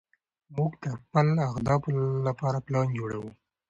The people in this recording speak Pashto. موږ د خپلو اهدافو لپاره پلان جوړوو.